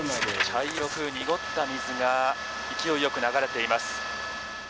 茶色く濁った水が勢いよく流れています。